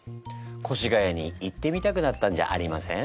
越谷に行ってみたくなったんじゃありません？